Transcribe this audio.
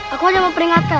aku hanya memperingatkan